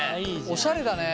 おしゃれだね。